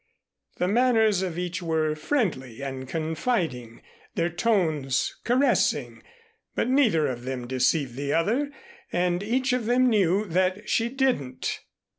The manners of each were friendly and confiding, their tones caressing, but neither of them deceived the other and each of them knew that she didn't.